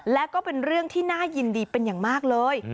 และก็เป็นเรื่องที่น่ายินดีเป็นอย่างมากเลย